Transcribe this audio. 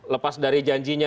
lepas dari janjinya